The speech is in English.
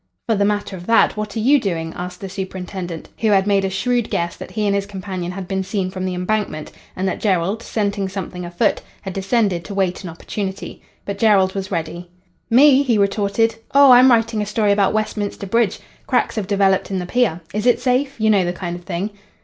"For the matter of that, what are you doing?" asked the superintendent, who had made a shrewd guess that he and his companion had been seen from the Embankment, and that Jerrold, scenting something afoot, had descended to wait an opportunity. But Jerrold was ready. "Me?" he retorted. "Oh, I'm writing a story about Westminster Bridge. Cracks have developed in the pier. Is it safe? You know the kind of thing."